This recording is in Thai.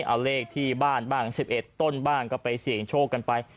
เอาเลขที่บ้านบ้าง๑๑ต้นบ้างก็ไปเสี่ยงโชคกันไป